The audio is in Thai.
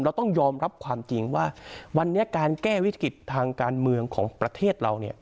เราต้องยอมรับความจริงว่าวันนี้การแก้วิกฤติทางการเมืองของประเทศเรา